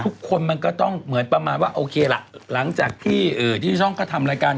ทุกคนมันก็ต้องเหมือนประมาณว่าโอเคล่ะหลังจากที่ช่องก็ทำรายการ